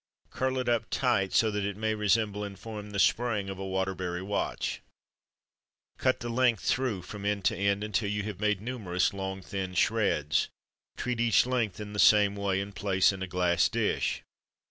Curl it up tight, so that it may resemble in form the spring of a Waterbury watch. Cut the length through from end to end, until you have made numerous long thin shreds. Treat each length in the same way, and place in a glass dish.